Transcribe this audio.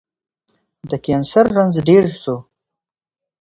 د کېنسر رنځ ډير سو